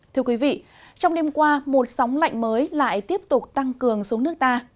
thưa quý vị trong đêm qua một sóng lạnh mới lại tiếp tục tăng cường xuống nước ta